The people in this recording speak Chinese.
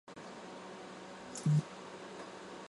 茂贞以六万兵马截击。